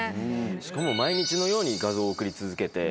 しかも毎日のように画像送り続けて。